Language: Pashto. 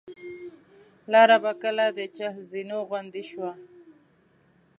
لاره به کله د چهل زینو غوندې شوه.